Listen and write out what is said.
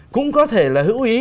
cũng có thể là hữu ý